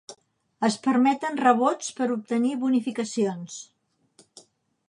Es permeten rebots per obtenir bonificacions.